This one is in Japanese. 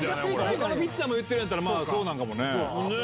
他のピッチャーも言ってるんやったらそうなんかもね。